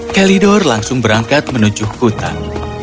kalidor langsung berangkat menuju hutan